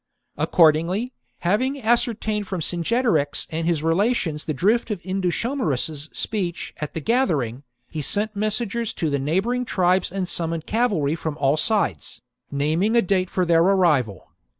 Accordingly,* having ascertained from Cingetorix and his relations the drift of Indutio marus's speech at the gathering, he sent messengers to the neighbouring tribes and summoned cavalry from all sides, naming a date for their arrival.